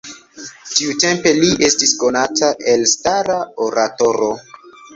Tiutempe li estis konata elstara oratoro.